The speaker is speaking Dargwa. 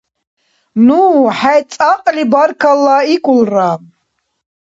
Ну хӀед цӀакьли баркаллаикӀулра!